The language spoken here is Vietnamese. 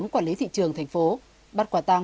quản lý thị trường thành phố bắt quả tăng